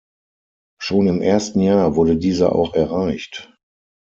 Schon im ersten Jahr wurde dieser auch erreicht.